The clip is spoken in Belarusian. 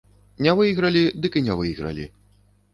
Не выйгралі, дык і не выйгралі.